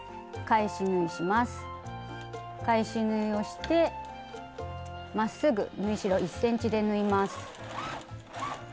返し縫いをしてまっすぐ縫い代１ｃｍで縫います。